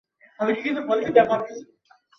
তবে তারা প্রায়শই এটি অস্বীকার করেছে।